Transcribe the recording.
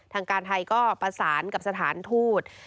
ทางการไทยก็ประสานกับสถานทูต